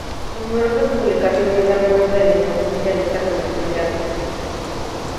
Numerosas publicaciones dan cuenta de la importancia de esta colectividad.